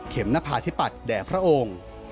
เข็มนภาษฎิปัติแก่พระองค์